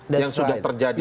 yang sudah terjadi